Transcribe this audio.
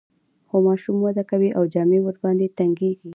خو ماشوم وده کوي او جامې ورباندې تنګیږي.